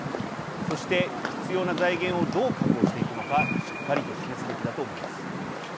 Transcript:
そして、必要な財源をどう確保していくのかしっかりと示すべきだと思います。